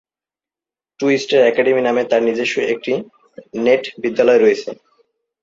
True stars academy নামে তার নিজস্ব একটি নাট্যবিদ্যালয় রয়েছে।